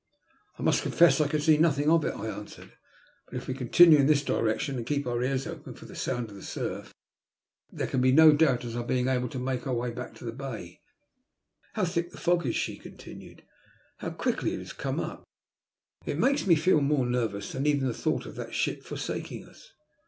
"I must confess I can see nothing of it," I answered. " But if we continue in this direction and keep our ears open for the sound of the surf, there can be no doubt as to our being able to make our way back to the bay." How thick the fog is," she "continued, "and how quickly it has come up I It makes me feel more nervous than even the thought of that ship forsaking us."